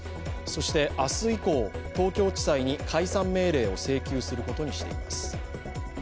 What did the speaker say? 明日以降、東京地裁に解散命令を請求することにしています。